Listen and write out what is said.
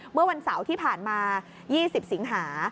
เมื่อวันเสาร์ที่ผ่านมา๒๐สิงหา